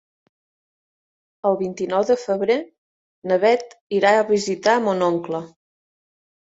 El vint-i-nou de febrer na Bet irà a visitar mon oncle.